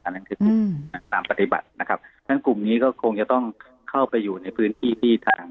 นั่นคือกลุ่มตามปฏิบัตินะครับทั้งกลุ่มนี้ก็คงจะต้องเข้าไปอยู่ในพื้นที่ที่ทาง